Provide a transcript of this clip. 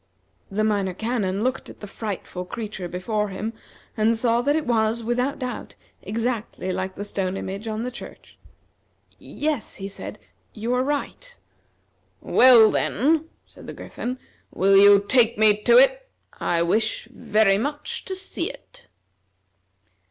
The Minor Canon looked at the frightful creature before him and saw that it was, without doubt, exactly like the stone image on the church. "Yes," he said, "you are right." "Well, then," said the Griffin, "will you take me to it? I wish very much to see it."